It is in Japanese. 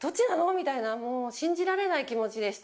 みたいなもう信じられない気持ちでした。